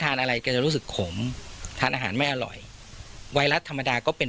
อะไรแกจะรู้สึกขมทานอาหารไม่อร่อยไวรัสธรรมดาก็เป็น